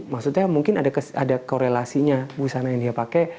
maksudnya mungkin ada korelasinya busana yang dia pakai